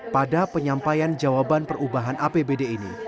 pada penyampaian jawaban perubahan apbd ini